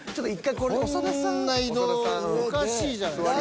こんな移動おかしいじゃないですか。